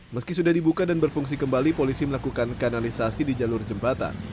meski sudah dibuka dan berfungsi kembali polisi melakukan kanalisasi di jalur jembatan